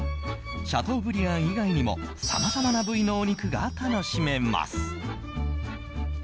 シャトーブリアン以外にもさまざまな部位のお肉が楽しめます。